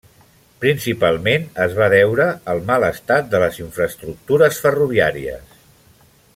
Principalment, es va deure al mal estat de les infraestructures ferroviàries.